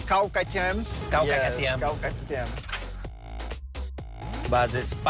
กินภาพ